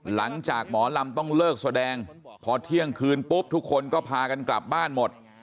หลังจากหมอลำต้องเลิกแสดงพอเที่ยงคืนปุ๊บทุกคนก็พากันกลับบ้านหมด